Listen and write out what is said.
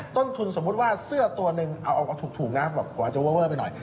ต้นทุนสมมุติว่าเสื้อตัวหนึ่งเอาถูกนะแบบกว่าจะเวอร์ไปหน่อย